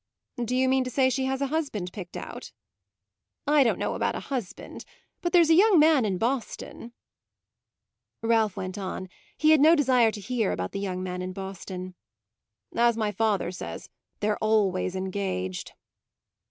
"Do you mean to say she has a husband picked out?" "I don't know about a husband, but there's a young man in Boston !" Ralph went on; he had no desire to hear about the young man in Boston. "As my father says, they're always engaged!"